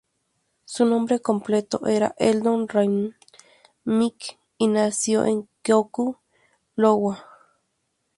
Su nombre completo era Eldon Raymond McKee, y nació en Keokuk, Iowa.